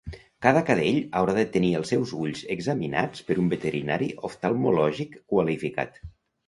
Cada cadell haurà de tenir els seus ulls examinats per un veterinari oftalmològic qualificat.